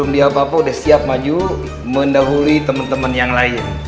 siapa siapa udah siap maju mendahului temen temen yang lain